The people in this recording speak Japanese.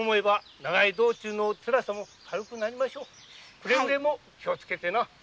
くれぐれも気をつけてな。